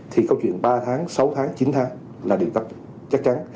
thì câu chuyện ba tháng sáu tháng chín tháng là điều tắt chắc chắn